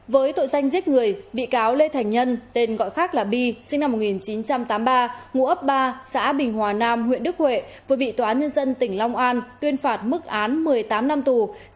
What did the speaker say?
với tội danh giết người bị cáo lê thành nhân tên gọi khác là bi sinh năm một nghìn chín trăm tám mươi ba ngụ ấp ba xã bình hòa nam huyện đức huệ vừa bị tòa nhân dân tỉnh long an tuyên phạt mức án một mươi tám năm tù